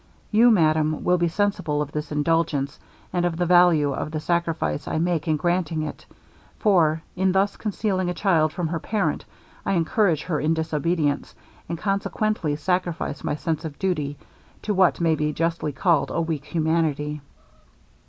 You, Madam, will be sensible of this indulgence, and of the value of the sacrifice I make in granting it; for, in thus concealing a child from her parent, I encourage her in disobedience, and consequently sacrifice my sense of duty, to what may be justly called a weak humanity.'